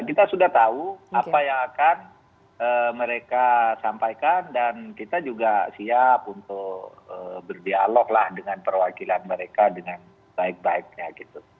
kita sudah tahu apa yang akan mereka sampaikan dan kita juga siap untuk berdialog lah dengan perwakilan mereka dengan baik baiknya gitu